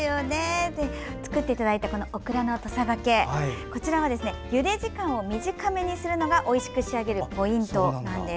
作っていただいたこのオクラの土佐がけはゆで時間を短めにするのがおいしく仕上げるポイントだそうです。